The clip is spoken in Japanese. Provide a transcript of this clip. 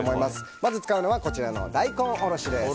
まず使うのは大根おろしです。